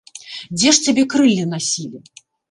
Дзе ж цябе крыллі насілі?